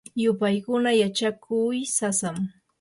yupaykuna yachakuy sasam.